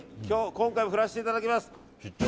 今回も振らせていただきます。